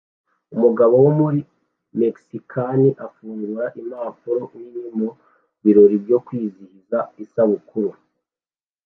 Umugabo wo muri mexikani afungura impapuro nini mu birori byo kwizihiza isabukuru